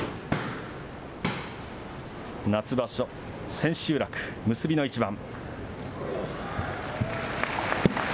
夏場所千秋楽結びの一番。